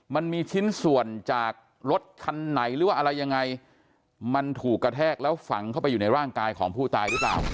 มันมีชิ้นส่วนจากรถคันไหนหรือว่าอะไรยังไงมันถูกกระแทกแล้วฝังเข้าไปอยู่ในร่างกายของผู้ตายหรือเปล่า